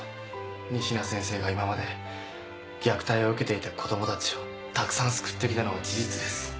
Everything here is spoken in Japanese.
西名先生が今まで虐待を受けていた子供たちをたくさん救ってきたのは事実です。